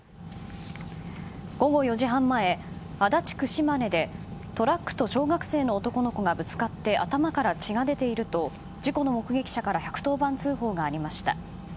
午後４時半前、足立区島根でトラックと小学生の男の子がぶつかって頭から血が出ていると事故の目撃者から１１０番通報がありました。